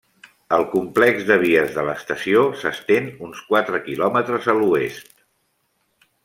El complex de vies de l'estació s'estén uns quatre quilòmetres a l'oest.